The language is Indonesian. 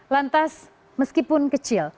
lantas meskipun kecil